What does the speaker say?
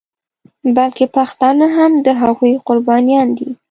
بلکې پښتانه هم د هغوی قربانیان دي.